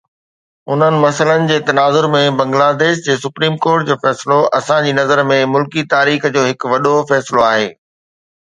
انهن مسئلن جي تناظر ۾ بنگلاديش جي سپريم ڪورٽ جو فيصلو اسان جي نظر ۾ ملڪي تاريخ جو هڪ وڏو فيصلو آهي.